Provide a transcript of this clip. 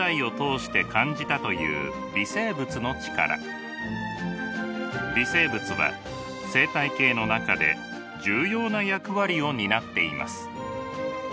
大村さんが微生物は生態系の中で重要な役割を担っています。